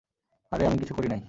আরে আমি কিছু করি নাই।